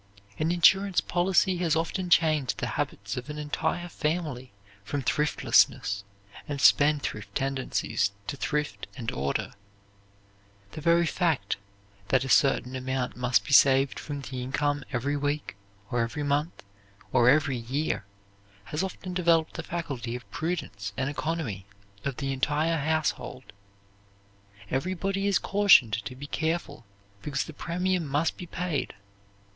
An insurance policy has often changed the habits of an entire family from thriftlessness and spendthrift tendencies to thrift and order. The very fact that a certain amount must be saved from the income every week, or every month, or every year, has often developed the faculty of prudence and economy of the entire household. Everybody is cautioned to be careful because the premium must be paid.